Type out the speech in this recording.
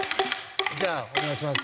じゃあお願いします。